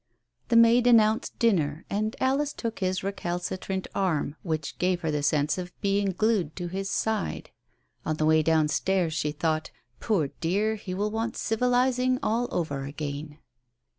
The maid announced dinner, and Alice took his recal citrant arm, which gave her the sense of being glued to his side. On the way downstairs she thought, " Poor dear, he will want civilizing all over again